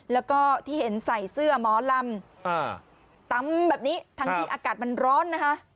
แล้วก็ที่เห็นใส่เสื้อหมอลำตำแบบนี้ทั้งที่อากาศมันร้อนนะคะ